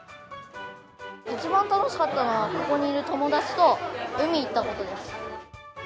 一番楽しかったのは、ここにいる友達と海行ったことです。